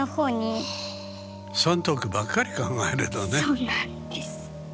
そうなんです。